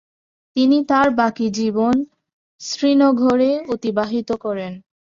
তিনি তার বাকি জীবন শ্রীনগরে অতিবাহিত করেন।